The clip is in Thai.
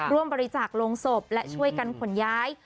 ร่วมบริจาคโรงศพและช่วยกันขนย้าย